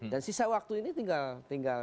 dan sisa waktu ini tinggal